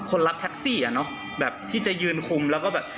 รับแท็กซี่อ่ะเนอะแบบที่จะยืนคุมแล้วก็แบบ